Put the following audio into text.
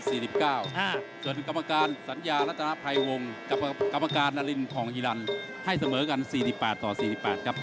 ส่วนกรรมการสัญญารัฐนาภัยวงกับกรรมการนารินทองฮีรันให้เสมอกัน๔๘ต่อ๔๘ครับ